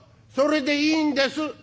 「それでいいんです」。